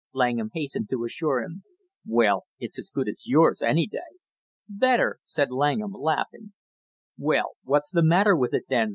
Langham hastened to assure him. "Well, it's as good as yours any day!" "Better!" said Langham, laughing. "Well, what's the matter with it, then?"